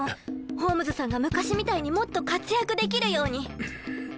ホームズさんが昔みたいにもっと活躍できるように。